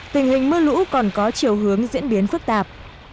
tình hình mưa lũ còn có chiều hướng diễn biến phức tạp